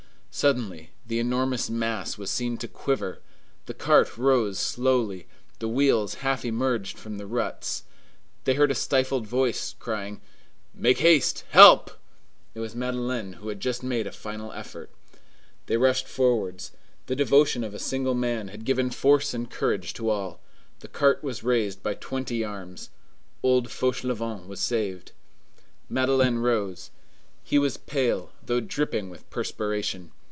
Suddenly the enormous mass was seen to quiver, the cart rose slowly, the wheels half emerged from the ruts. They heard a stifled voice crying, "Make haste! Help!" It was Madeleine, who had just made a final effort. They rushed forwards. The devotion of a single man had given force and courage to all. The cart was raised by twenty arms. Old Fauchelevent was saved. Madeleine rose. He was pale, though dripping with perspiration.